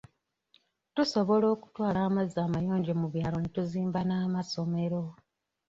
Tusobola okutwala amazzi amayonjo mu byalo ne tuzimba n’amasomero.